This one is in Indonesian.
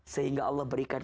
sehingga allah berikan